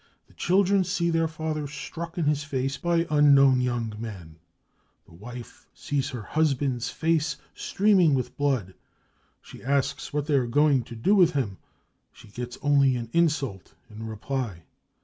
The children see then father struck in his face by unknown young men ; the wile sees her husband's face streaming with blood, bhe asks what they are going to do with him. She gets only an insult in reply.